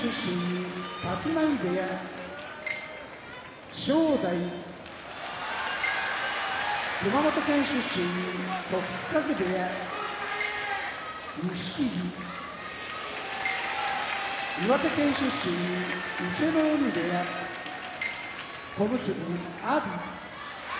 立浪部屋正代熊本県出身時津風部屋錦木岩手県出身伊勢ノ海部屋小結・阿炎